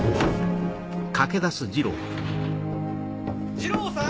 二郎さん！